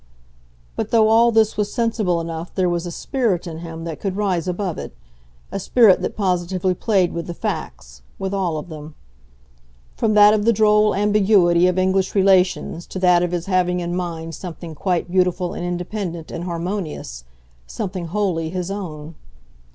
But though all this was sensible enough there was a spirit in him that could rise above it, a spirit that positively played with the facts, with all of them; from that of the droll ambiguity of English relations to that of his having in mind something quite beautiful and independent and harmonious, something wholly his own.